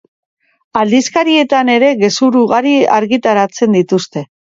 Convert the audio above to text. Aldizkarietan ere gezur ugari argitaratzen dituzte.